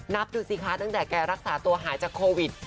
นับดูสิคะตั้งแต่แกรักษาตัวหายจากโควิด